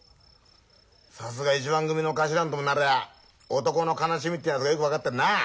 さすが一番組の頭ともなりゃ男の哀しみってやつがよく分かってるなあ。